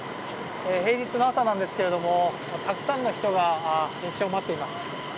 平日の朝なんですけれどもたくさんの人が列車を待っています。